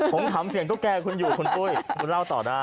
ผมขำเสียงตุ๊กแก่คุณอยู่คุณปุ้ยคุณเล่าต่อได้